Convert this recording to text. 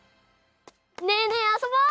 ねえねえあそぼう！